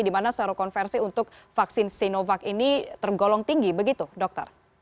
di mana serokonversi untuk vaksin sinovac ini tergolong tinggi begitu dokter